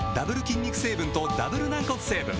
筋肉成分とダブル軟骨成分